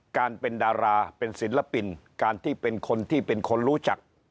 การเป็นดาราเป็นศิลปินการที่เป็นคนที่เป็นคนรู้จัก